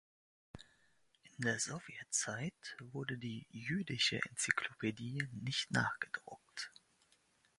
In der Sowjetzeit wurde die "Jüdische Enzyklopädie" nicht nachgedruckt.